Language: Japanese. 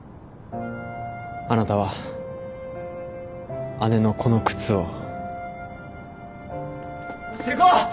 あなたは姉のこの靴を